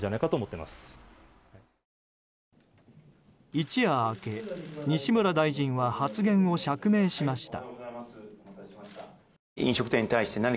一夜明け、西村大臣は発言を釈明しました。